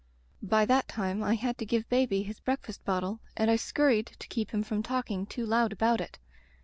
"By that time I had to give baby his breakfast bottle and I scurried to keep him from talking too loud about it.